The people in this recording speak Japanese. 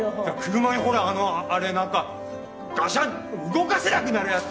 車にほらあのあれ何かガシャン動かせなくなるやつ！